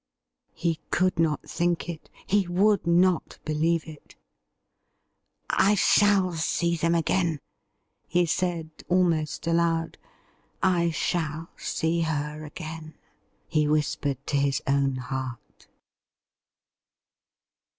He could not think it; he would not believe it. ' I shall see them again,' he said almost aloud. ' I shall see her again,' he whispered to his own heart.